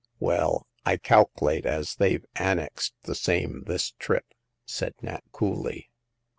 " Well, I calculate as they've annexed the same this trip," said Nat, coolly.